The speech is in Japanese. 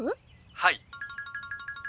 はい。